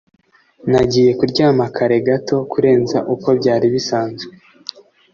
Nagiye kuryama kare gato kurenza uko byari bisanzwe.